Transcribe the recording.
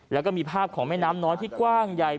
แล้วก็มีภาพของแม่น้ำน้อยที่กว้างใหญ่